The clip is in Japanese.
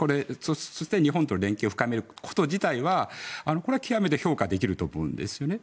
そして日本と連携を深めること自体はこれは極めて評価できると思うんですよね。